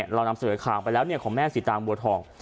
เรานำเสนอข่าวไปแล้วของแม่สีตางบัวทอง